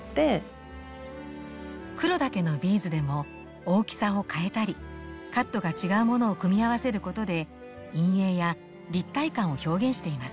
黒だけのビーズでも大きさを変えたりカットが違うものを組み合わせることで陰影や立体感を表現しています。